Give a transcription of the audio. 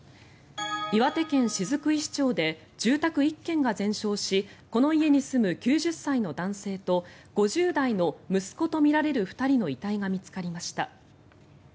岩手県雫石町で住宅１軒が全焼しこの家に住む９０歳の男性と５０代の息子とみられる２人の遺体が見つかりました。